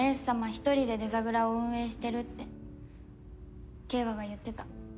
一人でデザグラを運営してるって景和が言ってた。